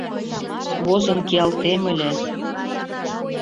— Возын киялтем ыле.